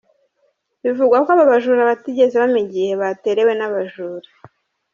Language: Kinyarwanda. Bivugwa ko abo bajura batigeze bamenya igihe baterewe n'abajura.